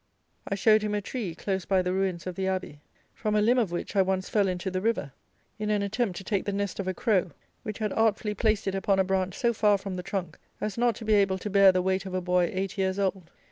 I showed him a tree, close by the ruins of the Abbey, from a limb of which I once fell into the river, in an attempt to take the nest of a crow, which had artfully placed it upon a branch so far from the trunk as not to be able to bear the weight of a boy eight years old.